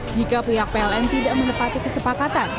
jika pihak pln tidak menepati kesepakatan